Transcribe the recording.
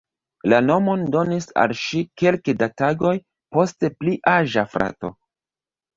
La nomon donis al ŝi kelke da tagoj poste pli aĝa frato.